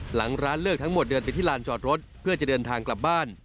หลังร้านเลิกทั้งหมดเดินไปที่ลานจอดรถเพื่อจะเดินทางกลับบ้าน